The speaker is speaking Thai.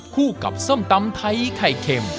ก็นานออกมารึค่ะ